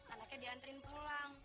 anaknya diantarin pulang